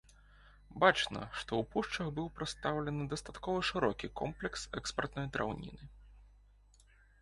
Бачна, што ў пушчах быў прадстаўлены дастаткова шырокі комплекс экспартнай драўніны.